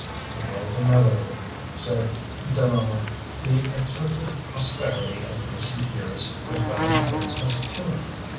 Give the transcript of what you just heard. "It was inevitable," said Deneulin, "the excessive prosperity of recent years was bound to bring us to it.